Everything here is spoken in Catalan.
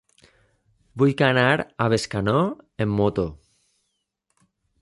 Vull anar a Bescanó amb moto.